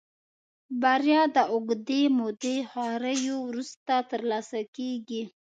بريا د اوږدې مودې خواريو وروسته ترلاسه کېږي.